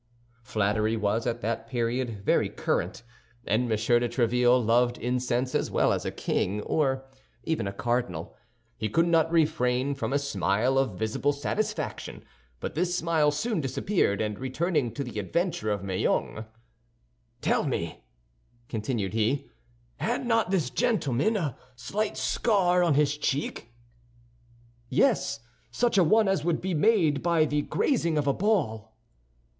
Flattery was at that period very current, and M. de Tréville loved incense as well as a king, or even a cardinal. He could not refrain from a smile of visible satisfaction; but this smile soon disappeared, and returning to the adventure of Meung, "Tell me," continued he, "had not this gentlemen a slight scar on his cheek?" "Yes, such a one as would be made by the grazing of a ball."